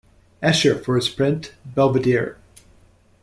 Escher for his print "Belvedere".